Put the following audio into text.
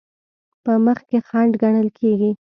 په مخ کې خنډ ګڼل کیږي.